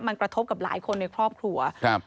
มันกระทบกับหลายคนในครอบครัวครับ